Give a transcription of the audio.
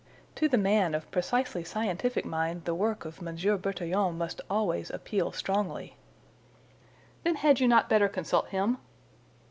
"To the man of precisely scientific mind the work of Monsieur Bertillon must always appeal strongly." "Then had you not better consult him?"